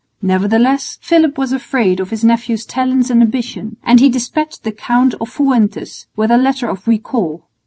Nevertheless Philip was afraid of his nephew's talents and ambition, and he despatched the Count of Fuentes with a letter of recall.